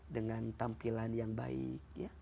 dengan tampilan yang baik